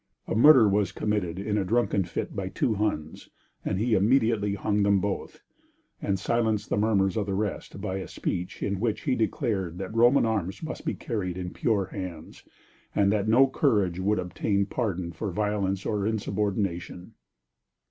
A murder was committed in a drunken fit by two Huns, and he immediately hung them both, and silenced the murmurs of the rest by a speech in which he declared that Roman arms must be carried in pure hands, and that no courage would obtain pardon for violence or insubordination.